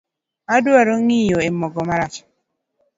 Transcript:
Adwaro ng'inyo mogo marach.